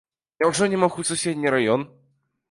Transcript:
Няўжо не мог у суседні раён?